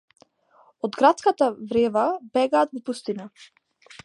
Од градската врева бегаат во пустина